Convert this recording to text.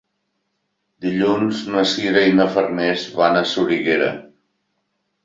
Dilluns na Sira i na Farners van a Soriguera.